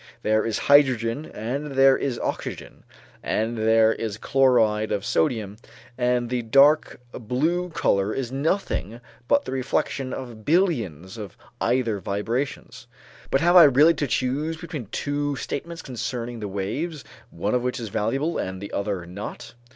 There is hydrogen and there is oxygen, and there is chloride of sodium, and the dark blue color is nothing but the reflection of billions of ether vibrations. But have I really to choose between two statements concerning the waves, one of which is valuable and the other not?